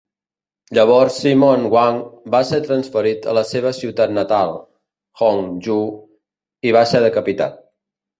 Llavors Simon Hwang va ser transferit a la seva ciutat natal, Hong Ju, i va ser decapitat.